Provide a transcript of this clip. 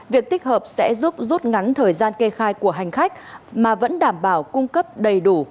việc tích hợp sẽ giúp rút ngắn thời gian kê khai của hành khách mà vẫn đảm bảo cung cấp đầy đủ